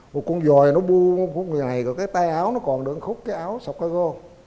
một con dòi nó buông cái tay áo nó còn được một khúc cái áo sọc coi gô